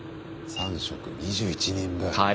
３食２１人分。